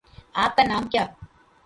آپ کا نام کیا